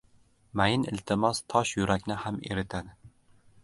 Mayin iltimos tosh yurakni ham eritadi.